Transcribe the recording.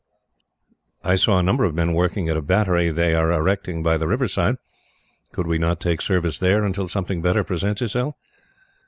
"I saw a number of men working at a battery they are erecting by the river side. Could we not take service there until something better presents itself?"